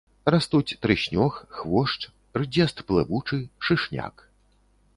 Растуць трыснёг, хвошч, рдзест плывучы, шышняк.